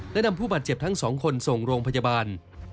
และนำผู้บาดเจ็บทั้งสองคนส่งโรงพยาบาล